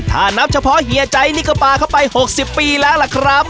ถ้านับเฉพาะเฮียใจนี่ก็ปลาเข้าไป๖๐ปีแล้วล่ะครับ